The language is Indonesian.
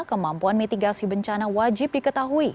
kemampuan mitigasi bencana wajib diketahui